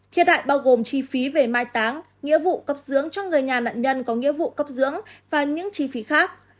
thiệt hại bao gồm chi phí về mai táng nghĩa vụ cấp dưỡng cho người nhà nạn nhân có nghĩa vụ cấp dưỡng và những chi phí khác